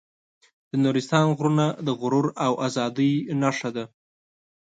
د نورستان غرونه د غرور او ازادۍ نښه ده.